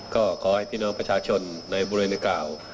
ก็ขอให้พี่น้องประชาชนในบริเวณดังกล่าว